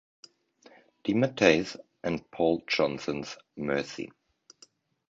DeMatteis and Paul Johnson's "Mercy".